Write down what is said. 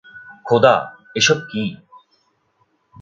খোদা, এসব কী?